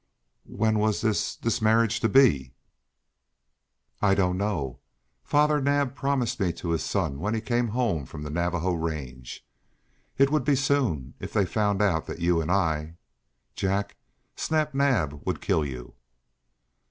"When was this this marriage to be?" "I don't know. Father Naab promised me to his son when he came home from the Navajo range. It would be soon if they found out that you and I Jack, Snap Naab would kill you!"